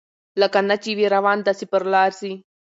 لکه نه چي وي روان داسي پر لار ځي